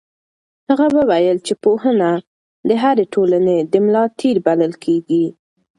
هغه وویل چې پوهنه د هرې ټولنې د ملا تیر بلل کېږي.